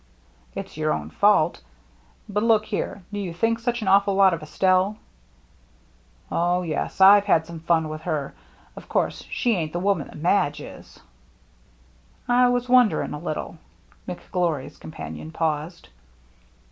" It's your own fault. But look here, do you think such an awful lot of Estelle ?"" Oh, yes. I've had some fiin with her. Of course, she ain't the woman that Madge is." "I was wondering a little —" McGlory's companion paused.